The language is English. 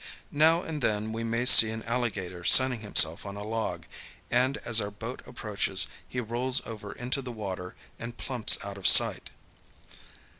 Now and then we may see an alligator sunning himself on a log, and as our boat approaches he rolls over into the water and plumps out of sight.